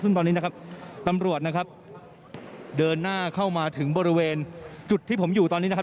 ซึ่งตอนนี้นะครับตำรวจนะครับเดินหน้าเข้ามาถึงบริเวณจุดที่ผมอยู่ตอนนี้นะครับ